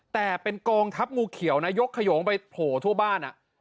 แต่เป็นกองทัพงูเขียวนะยกขยงไปโผล่ทั่วบ้าน